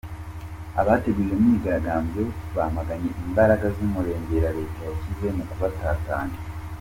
Abateguye iyo myigaragambyo bamaganye imbaraga z’umurengera leta yashyize mu kubatatanya.